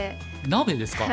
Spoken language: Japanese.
鍋ですか？